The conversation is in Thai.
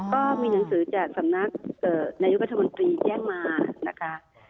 ก็มีหนังสือจากสำนักนายกรัฐมนตรีแจ้งมานะคะ